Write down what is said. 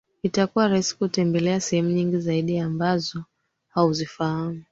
Itakuwa rahisi kutembelea sehemu nyingi zaidi ambazo hauzifahamu